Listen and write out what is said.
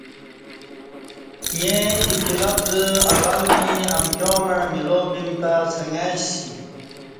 ییں اکی لفظ اول می امکیاں مع مِلا بِیم تہ سنگئ س